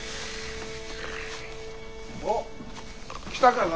おっ来たかな？